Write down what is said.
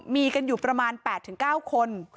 มีกันอยู่ประมาณ๘๙คน